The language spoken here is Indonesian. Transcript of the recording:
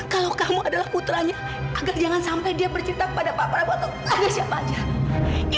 kalau kamu adalah putranya agar jangan sampai dia bercinta pada pak prabu atau lagi siapa saja